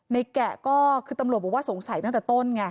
แกะก็คือตำรวจบอกว่าสงสัยตั้งแต่ต้นไง